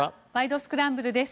スクランブル」です。